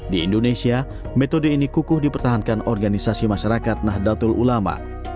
di indonesia metode ini kukuh dipertahankan organisasi masyarakat nahdlatul ulama